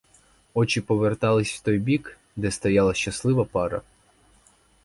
Очі поверталися в той бік, де стояла щаслива пара.